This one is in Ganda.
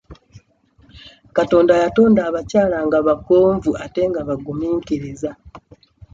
Katonda yatonda abakyala nga bagonvu ate nga bagumiikiriza.